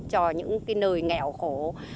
cho những cái nơi đó